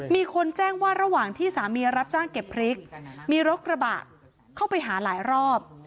มีคนแจ้งว่าระหว่างที่สามีรับจ้างเก็บพริกมีรถกระบะเข้าไปหาหลายรอบ